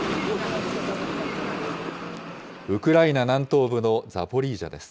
ウクライナ南東部のザポリージャです。